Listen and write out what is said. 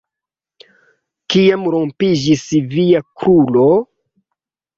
Kiam rompiĝis via kruro?